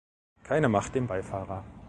Keine Macht dem Beifahrer.